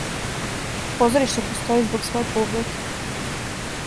Позориште постоји због своје публике.